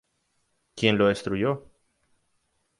Quien lo destruyó?